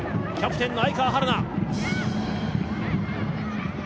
キャプテンの愛川陽菜。